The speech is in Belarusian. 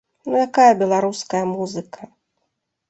Ну якая беларуская музыка!?